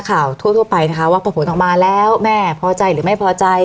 ข่าวทั่วไปนะคะว่าพอผลออกมาแล้วแม่พอใจหรือไม่พอใจ